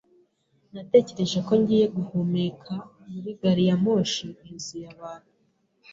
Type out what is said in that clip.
Natekereje ko ngiye guhumeka muri gari ya moshi yuzuye abantu.